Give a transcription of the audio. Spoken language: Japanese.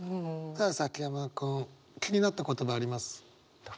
さあ崎山君気になった言葉あります？